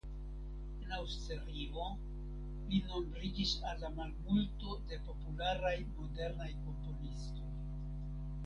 En Aŭstrio li nombriĝis al la malmulto de popularaj modernaj komponistoj.